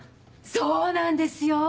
そうなんですよ。